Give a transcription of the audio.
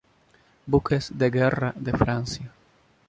Buques de guerra de Francia.